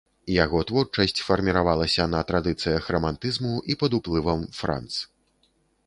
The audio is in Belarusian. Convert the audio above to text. Яго творчасць фарміравалася на традыцыях рамантызму і пад уплывам франц.